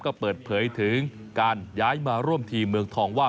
ก็เปิดเผยถึงการย้ายมาร่วมทีมเมืองทองว่า